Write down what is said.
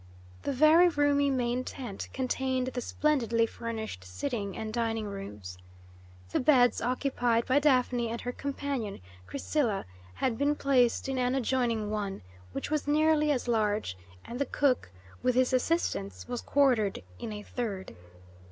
The very roomy main tent contained the splendidly furnished sitting and dining rooms. The beds occupied by Daphne and her companion, Chrysilla, had been placed in an adjoining one, which was nearly as large, and the cook, with his assistants, was quartered in a third.